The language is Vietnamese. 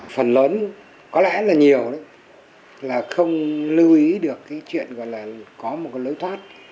phần lớn có lẽ là nhiều là không lưu ý được cái chuyện gọi là có một cái lối thoát